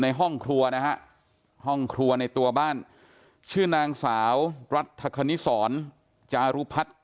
ในห้องครัวนะฮะห้องครัวในตัวบ้านชื่อนางสาวรัฐคณิสรจารุพัฒน์